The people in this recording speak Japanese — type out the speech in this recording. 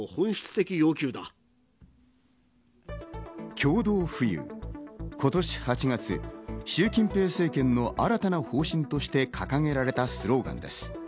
共同富裕、今年８月、シュウ・キンペイ政権の新たな方針として掲げられたスローガンです。